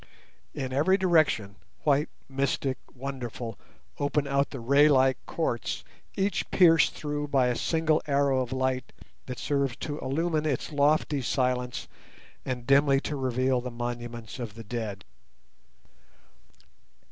In every direction, "white, mystic, wonderful", open out the ray like courts, each pierced through by a single arrow of light that serves to illumine its lofty silence and dimly to reveal the monuments of the dead.